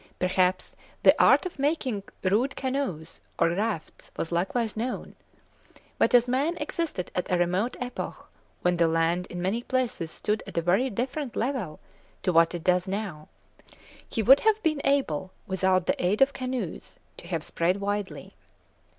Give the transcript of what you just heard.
Perhaps the art of making rude canoes or rafts was likewise known; but as man existed at a remote epoch, when the land in many places stood at a very different level to what it does now, he would have been able, without the aid of canoes, to have spread widely.